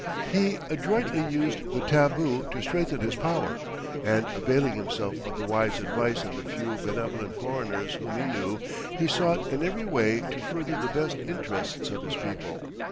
He adroitly used the tabu to strengthen his power, and availing himself of the wise advice of the few benevolent foreigners whom he knew, he sought in every way to further the best interests of his people.